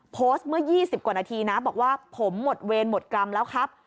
โพสต์เมื่อ๒๐กว่านาทีนะบอกว่าผมหมดเวรหมดกรรมแล้วครับ